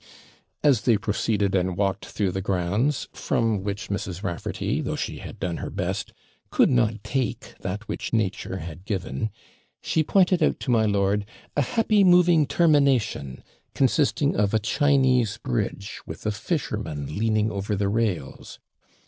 As they proceeded and walked through the grounds, from which Mrs. Raffarty, though she had done her best, could not take that which nature had given, she pointed out to my lord 'a happy moving termination,' consisting of a Chinese bridge, with a fisherman leaning over the rails.